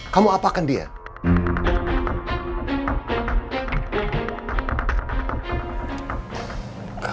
kamu apakan dia